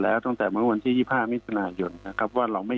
ตั้งแต่เมื่อวันที่๒๕มิธนาภัยก่อนว่าเราไม่